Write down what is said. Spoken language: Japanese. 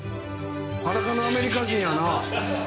裸のアメリカ人やな。